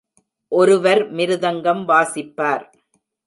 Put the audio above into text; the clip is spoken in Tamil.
ஒருவர் மிருதங்கம் வாசிப்பார்.